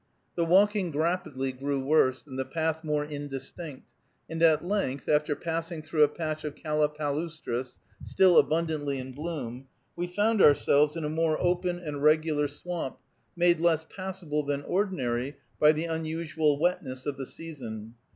The walking rapidly grew worse, and the path more indistinct, and at length, after passing through a patch of Calla palustris, still abundantly in bloom, we found ourselves in a more open and regular swamp, made less passable than ordinary by the unusual wetness of the season.